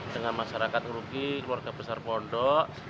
dengan masyarakat rugi keluarga besar pondok